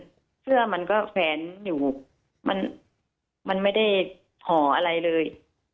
มันไม่ใช่อย่างนั้นเสื้อมันก็แฟนอยู่มันไม่ได้ห่ออะไรเลย